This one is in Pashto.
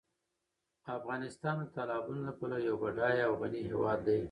افغانستان د تالابونو له پلوه یو بډایه او غني هېواد دی.